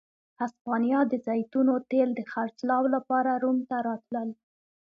هسپانیا د زیتونو تېل د خرڅلاو لپاره روم ته راتلل.